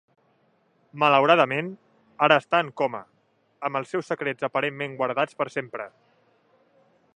Malauradament, ara està en coma, amb els seus secrets aparentment guardats per sempre.